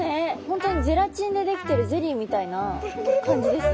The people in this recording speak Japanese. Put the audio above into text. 本当にゼラチンで出来てるゼリーみたいな感じです。